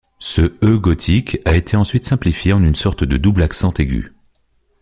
Ce e gotique a été ensuite simplifié en une sorte de double accent aigu.